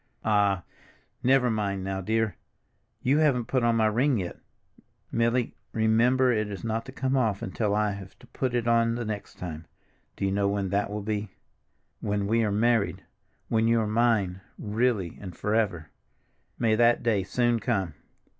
"Ah, never mind now, dear! You haven't put on my ring yet, Milly—remember it is not to come off until I have to put it on the next time—do you know when that will be? When we are married, when you are mine, really and forever. May that day soon come!